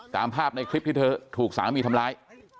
ตามภาพในคลิปที่เธอถูกสามีทำร้าย